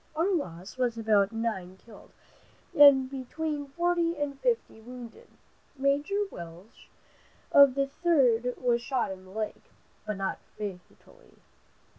Our loss was about nine killed and between forty and fifty wounded. Major Welch of the Third was shot in the leg, but not fatally.